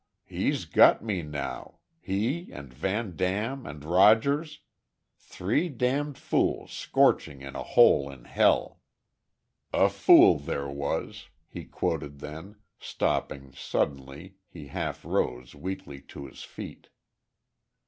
"He's got me now he, and Van Dam, and Rogers three damned fools scorching in a hole in hell.... 'A fool there was'" he quoted; then, stopping, suddenly, he half rose, weakly, to his feet.